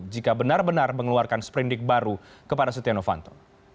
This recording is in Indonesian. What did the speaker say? jika benar benar mengeluarkan seperindik baru kepada setia novanto